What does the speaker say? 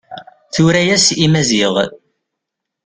Tura-yas i Maziɣ.